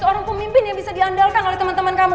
seorang pemimpin yang bisa diandalkan oleh teman teman kami